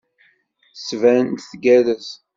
Tettban-d tgerrez.